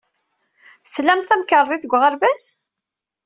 Tlam tamkarḍit deg uɣerbaz?